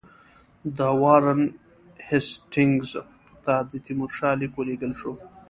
د وارن هېسټینګز ته د تیمورشاه لیک ولېږل شو.